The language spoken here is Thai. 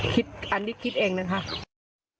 คิดอันนี้คิดเองนะคะ